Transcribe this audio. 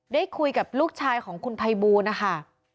ได้คุยกับลูกชายของคุณภัยบูลนะคะ